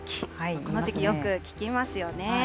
この時期よく聞きますよね。